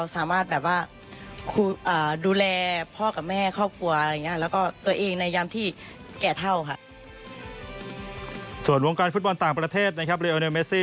ส่วนวงการฟุตบอลต่างประเทศเรอเอนลเมซิ